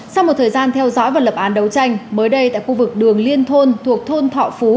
sau một thời gian theo dõi và lập án đấu tranh mới đây tại khu vực đường liên thôn thuộc thôn thọ phú